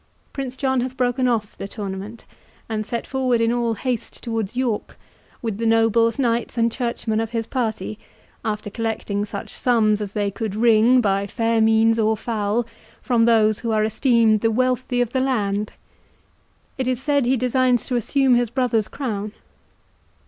Prince John hath broken off the tournament, and set forward in all haste towards York, with the nobles, knights, and churchmen of his party, after collecting such sums as they could wring, by fair means or foul, from those who are esteemed the wealthy of the land. It is said he designs to assume his brother's crown."